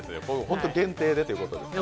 限定でということですね。